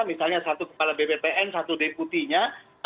misalnya satu kepala bppn satu deputinya